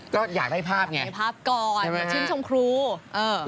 ก็อยากได้ภาพไงอยากได้ภาพก่อนชื่นชมครูเออ